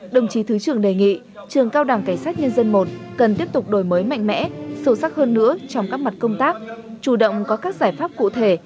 đồng chí thứ trưởng đề nghị trường cao đảng cảnh sát nhân dân i cần tiếp tục đổi mới mạnh mẽ sâu sắc hơn nữa trong các mặt công tác chủ động có các giải pháp cụ thể